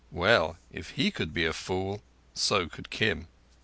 Well, if he could be a fool, so could Kim.